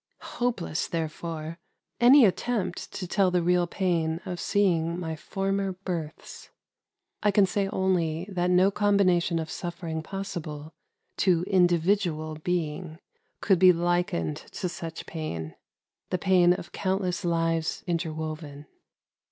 Hopeless, therefore, any attempt to tell the real pain of seeing my former births. I can say only that no combination of suffering pos sible to individual being could be likened to such pain, —■ the pain of countless lives inter woven.